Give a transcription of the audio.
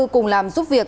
cùng làm giúp việc